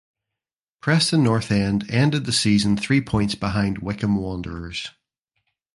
Preston North End ended the season three points behind Wycombe Wanderers.